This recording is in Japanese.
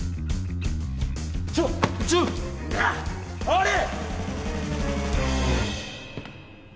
あれ！